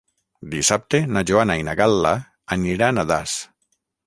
Dissabte na Joana i na Gal·la aniran a Das.